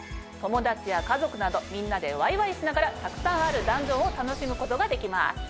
友達や家族などみんなでワイワイしながらたくさんあるダンジョンを楽しむことができます。